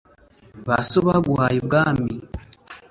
Ba so baguhaye ubwami